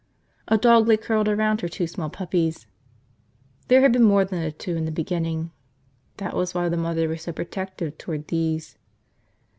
A dog lay curled around her two small puppies. There had been more than the two in the beginning. That was why the mother was so protective toward these.